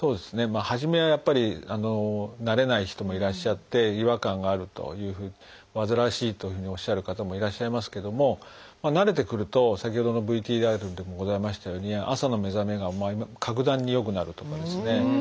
初めはやっぱり慣れない人もいらっしゃって違和感があるというふうにわずらわしいというふうにおっしゃる方もいらっしゃいますけども慣れてくると先ほどのＶＴＲでもございましたように朝の目覚めが格段に良くなると思いますね。